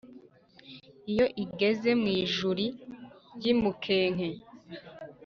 iyo igeze mu ijuri ry' umukenke,